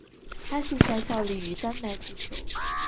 他现在效力于丹麦足球超级联赛球队中日德兰足球俱乐部。